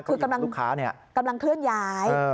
เก้าอี้ของลูกค้าเนี้ยกำลังเคลื่อนย้ายเออ